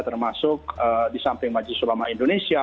termasuk di samping majlis ulama indonesia